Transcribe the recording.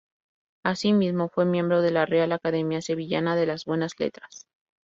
Asimismo fue miembro de la Real Academia Sevillana de las Buenas Letras.